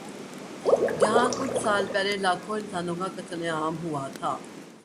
جہاں کچھ سال پہلے لاکھوں انسانوں کا قتل عام ہوا تھا۔